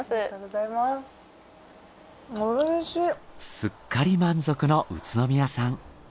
すっかり満足の宇都宮さん。